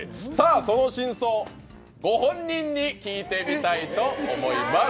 その真相、ご本人に聞いてみたいと思います。